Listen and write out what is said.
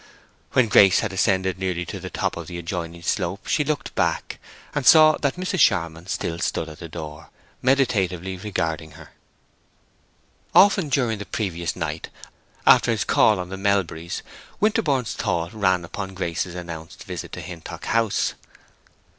When Grace had ascended nearly to the top of the adjoining slope she looked back, and saw that Mrs. Charmond still stood at the door, meditatively regarding her. Often during the previous night, after his call on the Melburys, Winterborne's thoughts ran upon Grace's announced visit to Hintock House.